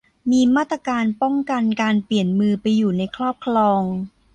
มีมาตรการป้องกันการเปลี่ยนมือไปอยู่ในครอบครอง